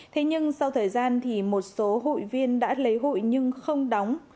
thế nhưng sau thời gian thì một số hụi viên đã lấy hụi nhưng không đóng